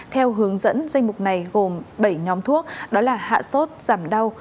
theo hướng dẫn danh mục này gồm bảy nhóm thuốc đó là hạ sốt giảm đau